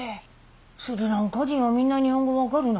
スリランカ人はみんな日本語分かるな？